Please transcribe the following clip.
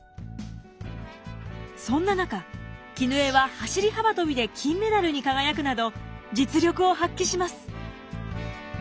そんな中絹枝は走り幅跳びで金メダルに輝くなど実力を発揮します。